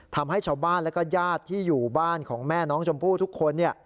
ทำให้ชาวบ้านและก็ญาติที่อยู่บ้านของแม่น้องชมพู่ทุกคน